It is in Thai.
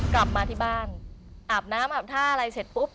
กลับมาที่บ้านอาบน้ำอาบท่าอะไรเสร็จปุ๊บ